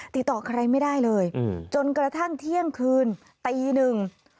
ติดต่อใครไม่ได้เลยจนกระทั่งเที่ยงคืนตีหนึ่ง